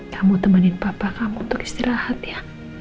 kamu temanin papa kamu untuk istirahat ya